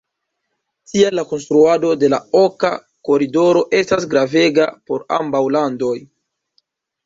Tial, la konstruado de la Oka Koridoro estas gravega por ambaŭ landoj.